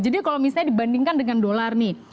jadi kalau misalnya dibandingkan dengan dolar nih